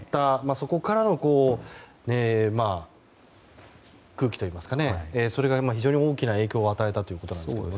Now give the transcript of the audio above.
そこからの空気といいますかそれが非常に大きな影響を与えたということですけどね。